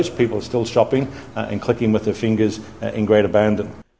jadi menunjukkan bahwa orang orang masih menjual dan menekan dengan jari jari di kelebihan besar